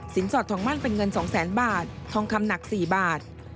สอดทองมั่นเป็นเงิน๒๐๐๐๐บาททองคำหนัก๔บาท